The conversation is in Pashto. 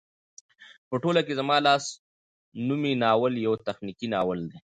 په ټوله کې زما لاس نومی ناول يو تخنيکي ناول دى